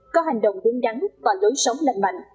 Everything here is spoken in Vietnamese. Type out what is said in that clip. có hành động đúng đắn và lối sống lành mạnh